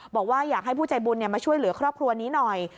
บอกว่าอยากให้ผู้ใจบุญมาช่วยเหลือครอบครัวนี้หน่อย